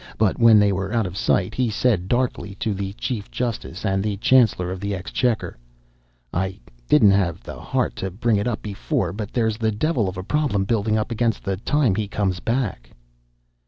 But when they were out of sight he said darkly to the chief justice and the Chancellor of the Exchequer: "I didn't have the heart to bring it up before, but there's the devil of a problem buildin' up against the time he comes back."